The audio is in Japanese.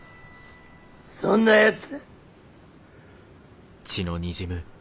そんなやつ。